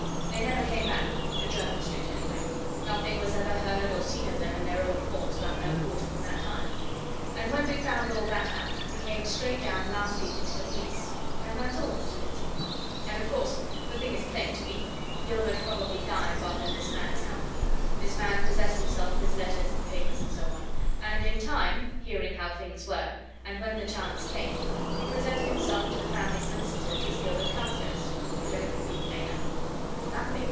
They never came back to Jermyn Street, anyway. Nothing was ever heard or seen of them in their old haunts about that quarter from that time. And when we'd found all that out, we came straight down, last evening, to the police and that's all, Mr. Lindsey. And, of course, the thing is plain to me Gilbert probably died while in this man's company; this man possessed himself of his letters and papers and so on; and in time, hearing how things were, and when the chance came, he presented himself to the family solicitors as Gilbert Carstairs. Could anything be plainer?" "Nothing!"